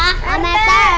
om rt bangun dong